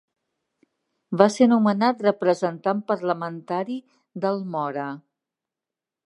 Va ser nomenat representant parlamentari d'Almora.